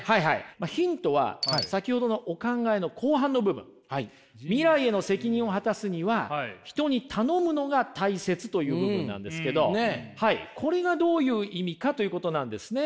まあヒントは先ほどのお考えの後半の部分「未来への責任を果たすには人に頼むのが大切」という部分なんですけどこれがどういう意味かということなんですね。